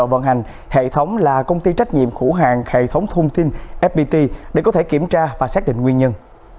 vận hành hệ thống là công ty trách nhiệm khủ hàng hệ thống thông tin fpt để có thể kiểm tra và xác định nguyên nhân